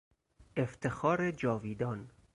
افتخار جاویدان